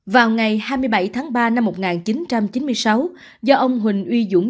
vào ngày hai mươi bảy tháng ba năm một nghìn chín trăm chín mươi sáu do ông huỳnh uy dũng